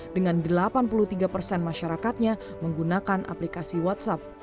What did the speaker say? dengan delapan puluh tiga persen masyarakatnya menggunakan aplikasi whatsapp